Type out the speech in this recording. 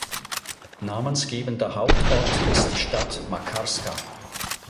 Namensgebender Hauptort ist die Stadt Makarska.